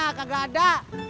kakak nggak ada